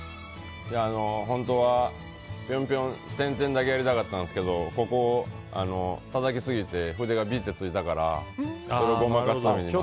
本当は点々だけやりたかったんですけどここをたたきすぎて筆が、びってついたからごまかすために。